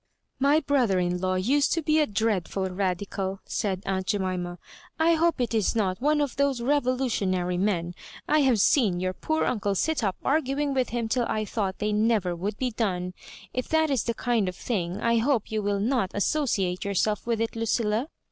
" My brother in law used to be a dreadful Ra dical," said aunt Jemima ;*^ I hope it is not one of those revolutionary men ; I have seen your poor uncle sit up arguing with him till I thought they never would be done. If that is the kind of thing, 1 hope you will not associate yourself with it, Lucilla.